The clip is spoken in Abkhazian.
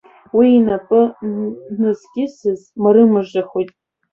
Уи инапы назкьысыз марымажахоит.